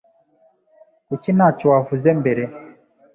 Kuki ntacyo wavuze mbere?